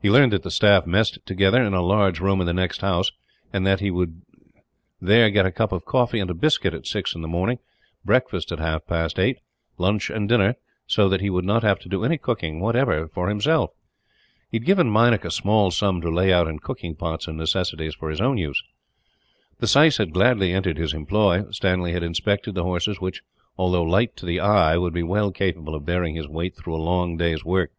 He learned that the staff messed together, in a large room in the next house; and that he would there get a cup of coffee and a biscuit, at six in the morning, breakfast at half past eight, lunch and dinner; so that he would not have to do any cooking, whatever, for himself. He had given Meinik a small sum to lay out in cooking pots and necessaries for his own use. The syce had gladly entered his employ. Stanley had inspected the horses which, although light to the eye, would be well capable of bearing his weight through a long day's work.